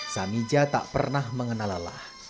sami jah tak pernah mengenal allah